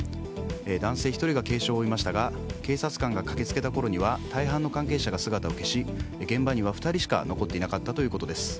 男性１人が軽傷を負いましたが警察官が駆け付けたころには大半の関係者が姿を消し現場には２人しか残っていなかったということです。